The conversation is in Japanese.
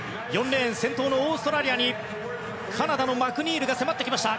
４レーン先頭のオーストラリアにカナダのマクニールが迫ってきました。